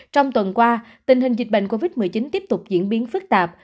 trong tuần qua tình hình dịch bệnh covid một mươi chín tiếp tục diễn biến phức tạp